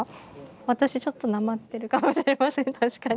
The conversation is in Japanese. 私ちょっとなまってるかもしれません確かに。